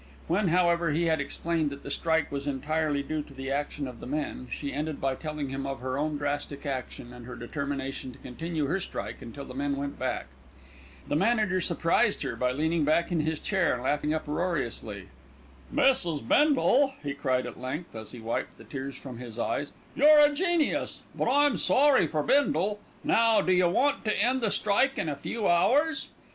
When, however, he had explained that the strike was entirely due to the action of the men, she ended by telling him of her own drastic action, and her determination to continue her strike until the men went back. The manager surprised her by leaning back in his chair and laughing uproariously. "Mrs. Bindle," he cried at length, as he wiped the tears from his eyes, "you're a genius; but I'm sorry for Bindle. Now, do you want to end the strike in a few hours?"